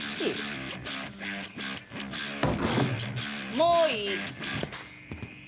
もういい。